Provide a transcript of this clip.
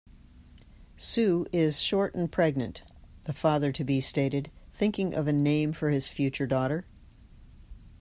"Sue is short and pregnant", the father-to-be stated, thinking of a name for his future daughter.